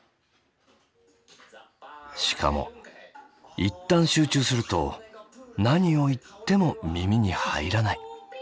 しかも一旦集中すると何を言っても耳に入らない。